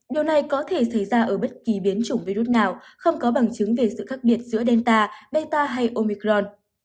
điều này có thể xảy ra ở bất kỳ biến chủng virus nào không có bằng chứng về sự khác biệt giữa delta beta hay omicron